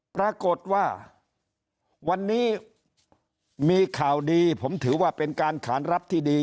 ปรากฏว่าวันนี้มีข่าวดีผมถือว่าเป็นการขานรับที่ดี